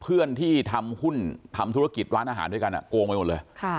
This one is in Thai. เพื่อนที่ทำหุ้นทำธุรกิจร้านอาหารด้วยกันโกงไปหมดเลย